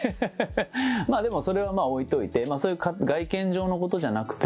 まあでも、それは置いといて、そういう外見上のことじゃなくて、